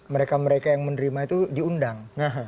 mereka mereka yang menerima itu diundang